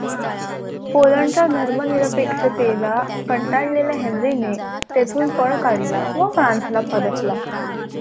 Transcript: पोलंडच्या धर्मनिरपेक्षतेला कंटाळलेल्या हेन्रीने तेथून पळ काढला व फ्रांसला परतला.